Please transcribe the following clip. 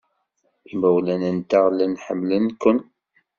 Imawlan-nteɣ llan ḥemmlen-ken.